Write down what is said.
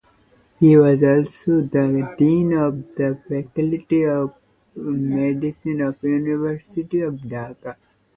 He was also the dean of the faculty of medicine of University of Dhaka.